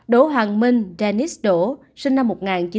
đỗ hoàng minh sinh năm một nghìn chín trăm tám mươi sáu